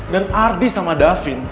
dan ardi sama davin